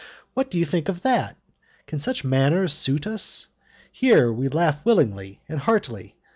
What do you think of that? Can such manners suit us? Here we laugh willingly and heartily!